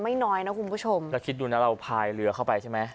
น้อยนะคุณผู้ชมแล้วคิดดูนะเราพายเรือเข้าไปใช่ไหม